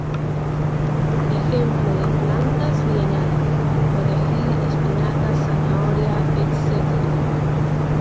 Ejemplo de plantas bienales: perejil, espinaca, zanahoria, etc.